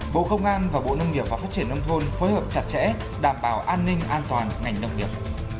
bộ công an và bộ nông nghiệp và phát triển nông thôn phối hợp chặt chẽ đảm bảo an ninh an toàn ngành nông nghiệp